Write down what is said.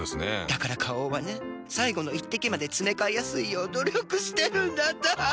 だから花王はね最後の一滴までつめかえやすいよう努力してるんだって。